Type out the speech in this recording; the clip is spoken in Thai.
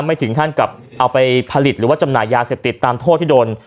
ไม่ถึงขั้นกับเอาไปผลิตหรือว่าจำหน่ายยาเสพติดตามโทษที่โดน